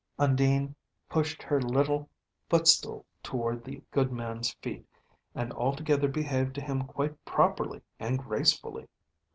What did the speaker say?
Undine pushed her little footstool toward the good man's feet, and altogether behaved to him quite properly and gracefully.